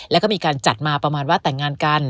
แล้วก็มีการจัดมาประมาณว่าแต่งงานกัน